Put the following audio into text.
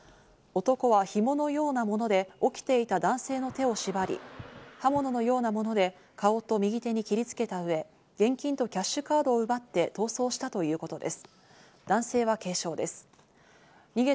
男はひものようなもので起きてきた男性の手を縛り、刃物のようなもので顔と右手に切りつけたうえ、現金とキャッシュカードを奪って逃走したということです。